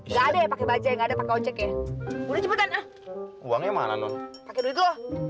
gak ada yang pakai bajet yang ada pakai ojek ya udah cepetan ah uangnya mana non pake duit lo